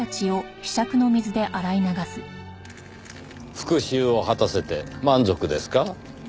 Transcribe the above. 復讐を果たせて満足ですか？